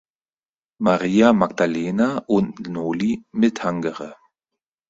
Maria Magdalena und Noli me tangere.